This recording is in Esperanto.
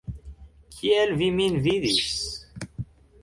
Kiel vi min vidis?